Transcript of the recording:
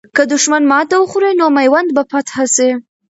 که دښمن ماته وخوري، نو میوند به فتح سي.